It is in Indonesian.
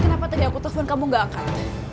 kenapa tadi aku telepon kamu gak angkat